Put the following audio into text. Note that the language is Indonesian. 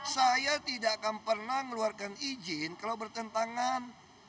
saya tidak akan pernah ngeluarkan izin kalau bertentangan